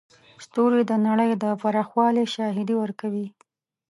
ستوري د نړۍ د پراخوالي شاهدي ورکوي.